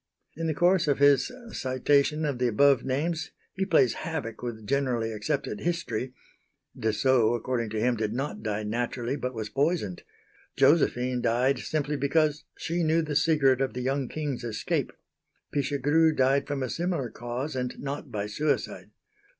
In the course of his citation of the above names, he plays havoc with generally accepted history Desault according to him did not die naturally but was poisoned. Josephine died simply because she knew the secret of the young King's escape. Pichegru died from a similar cause and not by suicide.